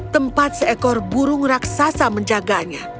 tempat seekor burung raksasa menjaganya